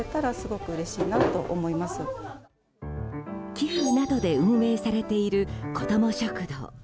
寄付などで運営されている子ども食堂。